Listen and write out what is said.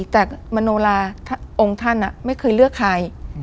แต่มโนลาองค์ท่านไม่เคยเลือกใคร